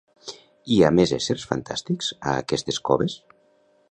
Hi ha més éssers fantàstics a aquestes coves?